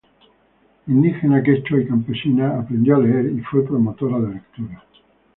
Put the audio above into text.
Indígena quechua y campesina aprendió a leer y fue promotora de lectura.